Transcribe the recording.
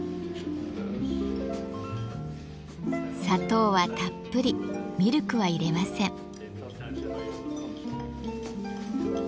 砂糖はたっぷりミルクは入れません。